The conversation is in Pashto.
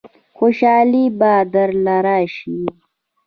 خوشالۍ به درله رايشي.